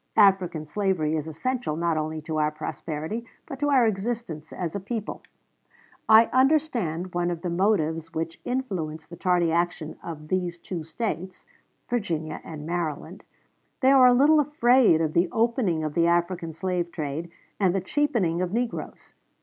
African slavery is essential not only to our prosperity, but to our existence as a people.... "Globe," Dec. 11, 1860, pp. 49 51. I understand one of the motives which influence the tardy action of these two States [Virginia and Maryland], They are a little afraid of the opening of the African slave trade, and the cheapening of negroes.